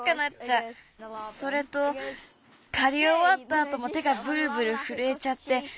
それとかりおわったあとも手がぶるぶるふるえちゃって。